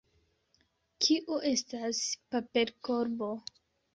Kio estas paperkorbo?